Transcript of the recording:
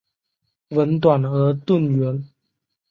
吻短而钝圆。